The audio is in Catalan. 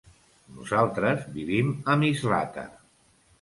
Nosaltres vivim a Mislata.